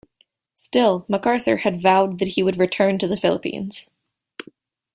Still, MacArthur had vowed that he would return to the Philippines.